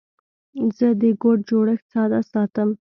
زه د کوډ جوړښت ساده ساتم.